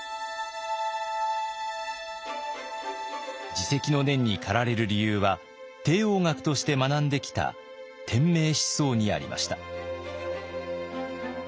自責の念に駆られる理由は帝王学として学んできた天命思想にありました。